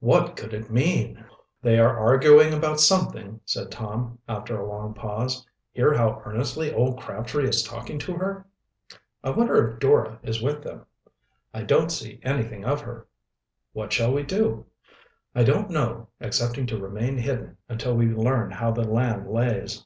What could it mean? "They are arguing about something," said Tom, after a long pause. "Hear how earnestly old Crabtree is talking to her?" "I wonder if Dora is with them." "I don't see anything of her." "What shall we do?" "I don't know excepting to remain hidden until we learn how the land lays."